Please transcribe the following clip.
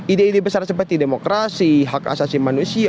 ide ide besar seperti demokrasi hak asasi manusia